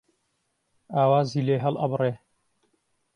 ئاوازی لێ هەڵ ئەبڕێ